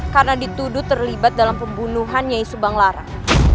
karena dituduh terlibat dalam pembunuhannya subang larang